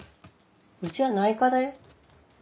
うちは内科だよ。